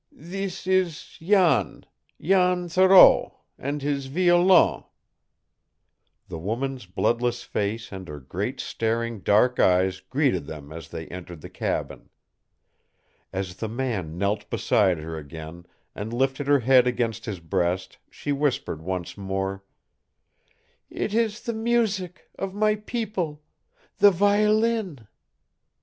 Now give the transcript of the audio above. "Thees is Jan Jan Thoreau and his violon " The woman's bloodless face and her great staring dark eyes greeted them as they entered the cabin. As the man knelt beside her again, and lifted her head against his breast, she whispered once more: "It is the music of my people the violin!"